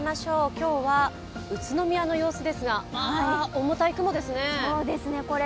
今日は宇都宮の様子ですが、重たい雲ですね。